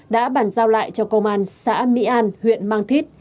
đã bàn giao lại cho công an xã mỹ an huyện mang thít